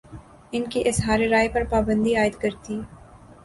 ان کے اظہارِ رائے پر پابندی عائدکرتی